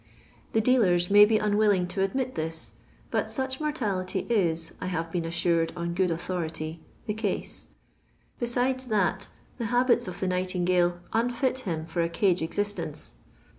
The dealers may be unwilling to admit this; but tuch mor tality is, I have been assured on good authority, the case ; besides that, the habits of the nightin gale unfit him for a cage existence.